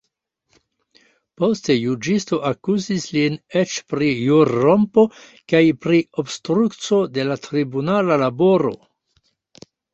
Poste, juĝisto akuzis lin eĉ pri ĵurrompo kaj pri obstrukco de la tribunala laboro.